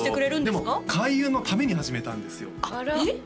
でも開運のために始めたんですよえっ